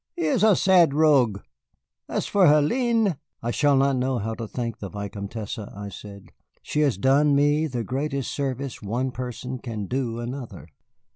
"He is a sad rogue. As for Hélène " "I shall not know how to thank the Vicomtesse," I said. "She has done me the greatest service one person can do another."